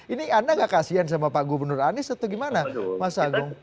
ini anda nggak kasian sama pak gubernur anies atau gimana mas agung